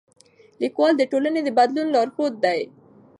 لیکوال د ټولنې د بدلونونو لارښود دی.